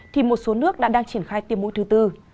thì một số nước đã đang triển khai tiêm mũi thứ tư